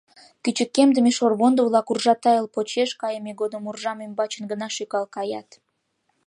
Кӱчыкемдыме шорвондо-влак уржа тайыл почеш кайыме годым уржам ӱмбачын гына шӱкал каят.